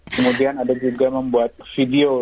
kemudian ada juga membuat video